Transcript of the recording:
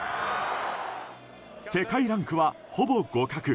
世界ランクは、ほぼ互角。